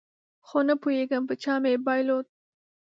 خو نپوهېږم په چا مې بایلود